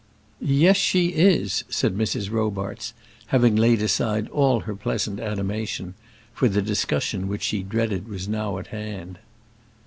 "Yes, she is," said Mrs. Robarts, having laid aside all her pleasant animation, for the discussion which she dreaded was now at hand.